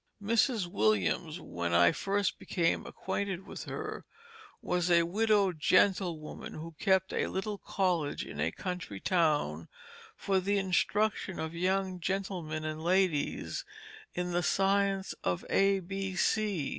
Two Pages of A New Lottery Book] "Mrs. Williams when I first became acquainted with her was a Widow Gentlewoman who kept a little College in a Country Town for the Instruction of Young Gentlemen and Ladies in the Science of A, B, C.